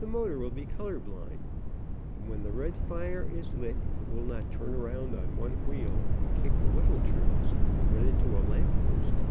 The motor will be color blind, and when the red fire is lit it will not turn around on one wheel and kick the whiffle trees, and run into a lamp post.